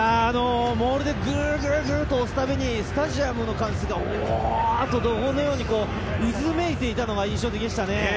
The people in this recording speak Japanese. モールでぐっと押すたびにスタジアムの歓声が「お！」と怒号のように渦めいていたのが印象的でしたね。